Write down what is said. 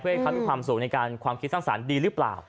ให้เขามีความสุขในการความคิดสร้างสรรค์ดีหรือเปล่า